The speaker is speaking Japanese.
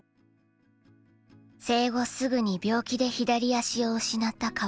生後すぐに病気で左足を失った川本。